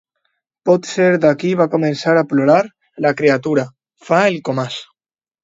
Potser d'aquí va començar a plorar la criatura —fa el Comas.